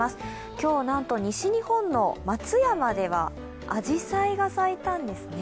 今日、なんと西日本の松山では、あじさいが咲いたんですね。